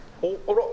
あら。